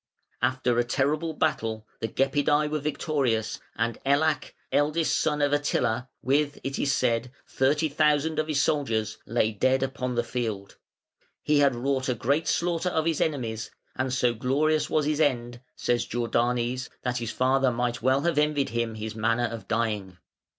After a terrible battle the Gepidæ were victorious, and Ellak, eldest son of Attila, with, it is said, thirty thousand of his soldiers, lay dead upon the field. "He had wrought a great slaughter of his enemies, and so glorious was his end", says Jordanes, "that his father might well have envied him his manner of dying".